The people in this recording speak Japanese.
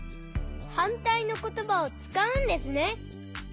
はんたいのことばをつかうんですね。